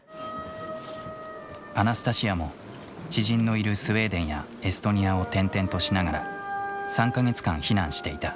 アナスタシアも知人のいるスウェーデンやエストニアを転々としながら３か月間避難していた。